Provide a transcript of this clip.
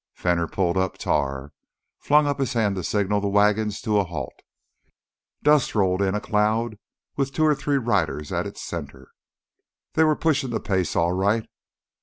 Fenner pulled up Tar, flung up his hand to signal the wagons to a halt. Dust rolled in a cloud with two or three riders at its center. They were pushing the pace all right.